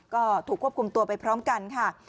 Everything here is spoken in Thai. ก็ถูกควบคุมตัวไปพร้อมกันค่ะ